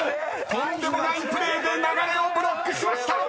とんでもないプレーで流れをブロックしました！］